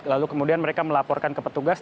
lalu kemudian mereka melaporkan ke petugas